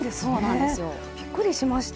びっくりしました。